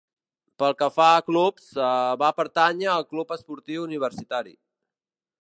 Pel que fa a clubs, va pertànyer al Club Esportiu Universitari.